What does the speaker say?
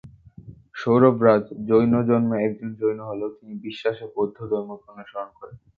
সৌরভ রাজ জৈন জন্মে একজন জৈন হলেও তিনি বিশ্বাসে বৌদ্ধ ধর্মকে অনুসরণ করেন।